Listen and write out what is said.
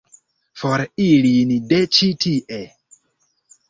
For ilin de ĉi tie!